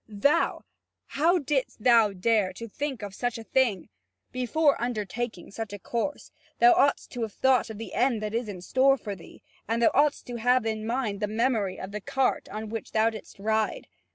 Thou? How didst thou dare to think of such a thing? Before undertaking such a course, thou oughtest to have thought of the end that is in store for thee, and thou oughtest to have in mind the memory of the cart on which thou didst ride.